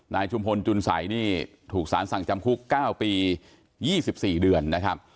นายชุมศนจุนสัยนี่ถูกศาลสั่งจำคุกเก้าปียี่สิบสี่เดือนนะครับ